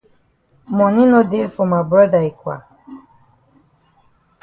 Moni no dey for ma broda yi kwa.